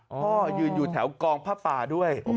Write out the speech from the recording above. พ่อยืนอยู่แถวกองผ้าป่าด้วย